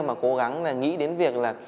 mà cố gắng nghĩ đến việc là